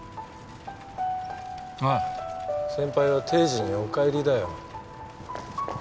おい先輩は定時にお帰りだよ。